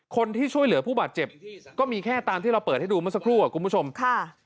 คนที่ช่วยเหลือผู้บาดเจ็บก็มีแค่ตามที่เราเปิดให้ดูเมื่อสักครู่อ่ะคุณผู้ชมค่ะ